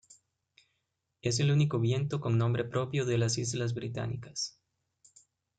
Es el único viento con nombre propio de las Islas Británicas.